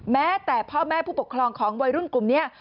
แม้แต่พ่อแม่ผู้ปกครองของวัยรุ่นกลุ่มนี้